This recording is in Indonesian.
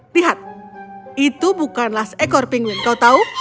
lihat itu bukanlah seekor penguin kau tahu